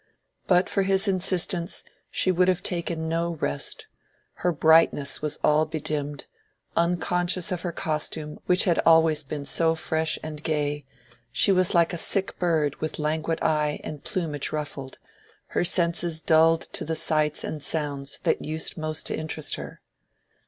But for his insistence she would have taken no rest: her brightness was all bedimmed; unconscious of her costume which had always been so fresh and gay, she was like a sick bird with languid eye and plumage ruffled, her senses dulled to the sights and sounds that used most to interest her.